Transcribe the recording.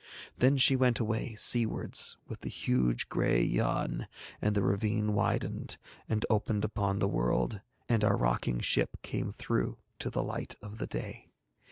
Then she went away seawards with the huge grey Yann and the ravine widened, and opened upon the world, and our rocking ship came through to the light of the day.